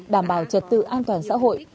đảm bảo trật tự an toàn xã hội